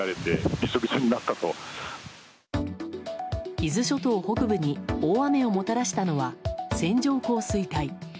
伊豆諸島北部に大雨をもたらしたのは線状降水帯。